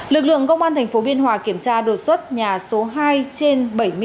lực lượng công an thành phố biên hòa kiểm tra đột xuất nhà số hai trên bảy mươi sáu